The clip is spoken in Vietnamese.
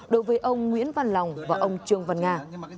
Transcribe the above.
đối với ông nguyễn văn lòng và ông trương văn nga